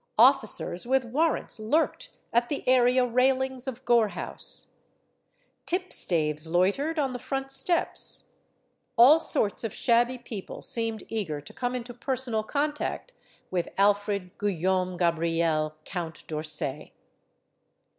Officers with warrants lurked at the area rail ings of Gore House Tipstaves loitered on the front steps. All sorts of shabby people seemed eager to come into personal contact with Alfred Guillaume Gabriel, Count D'Orsay.